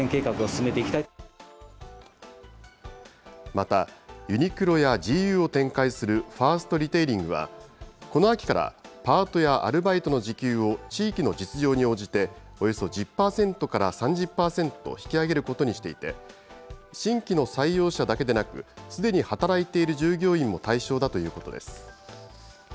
また、ユニクロやＧＵを展開するファーストリテイリングは、この秋から、パートやアルバイトの時給を地域の実情に応じて、およそ１０％から３０％引き上げることにしていて、新規の採用者だけでなく、すでに働いている従業員も対象だということです。